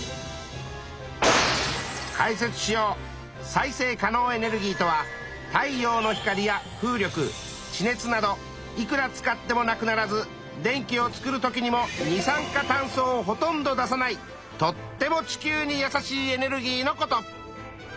再生可能エネルギーとは太陽光や風力地熱などいくら使ってもなくならず地球温暖化の原因といわれる二酸化炭素をほとんど増やさないとっても地球に優しいエネルギーのこと。